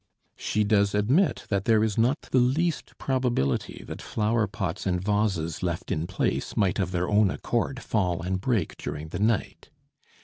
She does admit that there is not the least probability that flowerpots and vases left in place might of their own accord fall and break during the night.